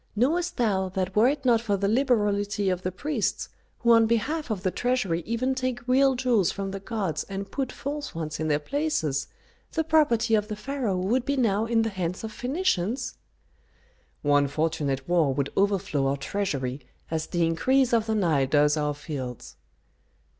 Knowest thou that were it not for the liberality of the priests, who on behalf of the treasury even take real jewels from the gods and put false ones in their places, the property of the pharaoh would be now in the hands of Phœnicians?" "One fortunate war would overflow our treasury as the increase of the Nile does our fields."